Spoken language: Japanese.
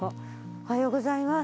おはようございます。